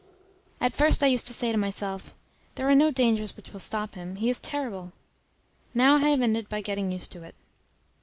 At first I used to say to myself, "There are no dangers which will stop him; he is terrible." Now I have ended by getting used to it.